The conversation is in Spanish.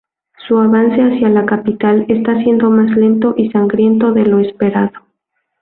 Su avance hacia la capital está siendo más lento y sangriento de lo esperado.